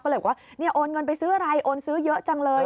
ก็เลยบอกว่าเนี่ยโอนเงินไปซื้ออะไรโอนซื้อเยอะจังเลย